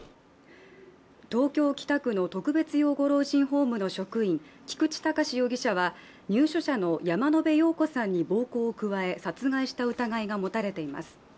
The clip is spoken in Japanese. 東京・北区の特別養護老人ホームの職員、菊池隆容疑者は入所者の山野辺陽子さんに暴行を加え、殺害した疑いが持たれています。